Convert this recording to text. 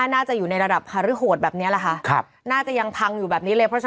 น่าจะอยู่ในระดับหาริโหดแบบนี้แหละคะน่าจะยังพังอยู่แบบนี้เลย